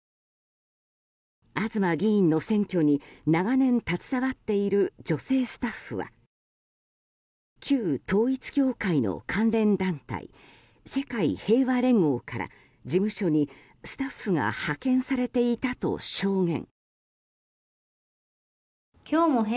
東議員の選挙に長年携わっている女性スタッフは旧統一教会の関連団体世界平和連合から事務所に、スタッフが派遣されていたと証言。